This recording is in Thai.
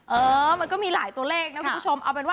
เออมันก็มีหลายตัวเลขนะคุณผู้ชม